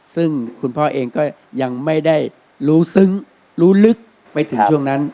ซึ่งคุณพ่อเองก็ยังไม่ได้รู้ซึ้งรู้ลึกไปถึงช่วงนั้น